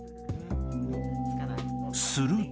すると。